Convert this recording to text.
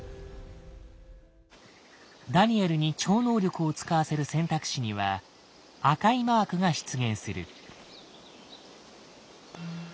ダニエルに超能力を使わせる選択肢には赤いマークが出現する。